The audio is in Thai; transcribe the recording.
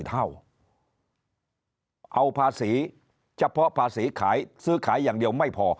เท่าเอาภาษีเฉพาะภาษีขายซื้อขายอย่างเดียวไม่พอ